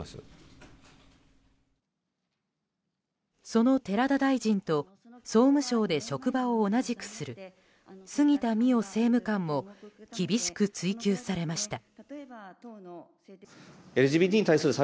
その寺田大臣と総務省で職場を同じくする杉田水脈政務官も厳しく追及されました。